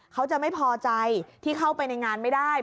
เขาจะไม่พอใจที่เข้าไปในงานไม่ได้